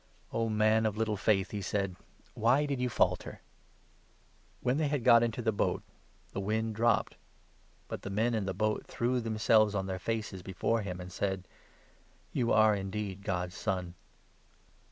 31 " O man of little faith !" he said, " Why did you falter ?" When they had got into the boat, the wind dropped. But 32, 33 the men in the boat threw themselves on their faces before him, and said : "You are indeed God's Son."